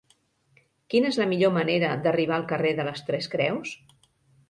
Quina és la millor manera d'arribar al carrer de les Tres Creus?